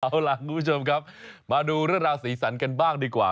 เอาล่ะคุณผู้ชมครับมาดูเรื่องราวสีสันกันบ้างดีกว่า